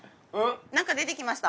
なんか出てきました。